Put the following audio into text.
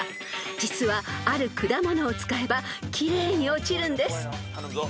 ［実はある果物を使えば奇麗に落ちるんです］